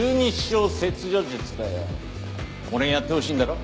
俺にやってほしいんだろ？